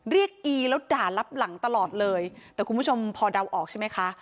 อีแล้วด่ารับหลังตลอดเลยแต่คุณผู้ชมพอเดาออกใช่ไหมคะ